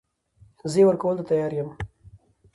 زه يې ورکولو ته تيار يم .